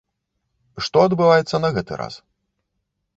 Што адбываецца на гэты раз?